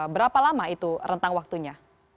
berapa lama itu rentang waktunya